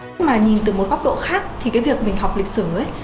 nhưng mà nhìn từ một góc độ khác thì cái việc mình học lịch sử ấy